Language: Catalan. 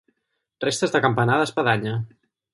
Restes de campanar d'espadanya.